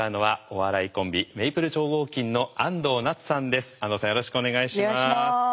お願いします。